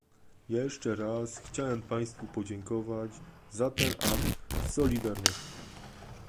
Jeszcze raz chciałem państwu podziękować za ten akt solidarności